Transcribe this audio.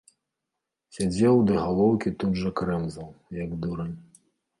Сядзеў ды галоўкі тут жа крэмзаў, як дурань.